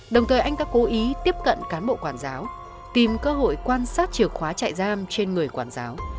đồng thời anh đã cố ý tiếp cận cán bộ quản giáo tìm cơ hội quan sát chìa khóa chạy giam trên người quản giáo